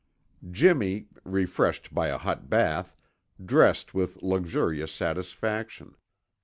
Jimmy, refreshed by a hot bath, dressed with luxurious satisfaction.